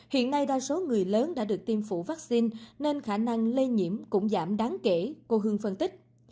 hiện nay đa số người lớn đã được tiêm phủ vaccine nên khả năng lây nhiễm cũng giảm đáng kể cô hương phân tích